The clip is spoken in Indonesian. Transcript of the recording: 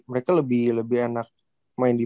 mereka lebih lebih enak main di